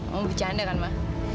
mau bercanda kan ma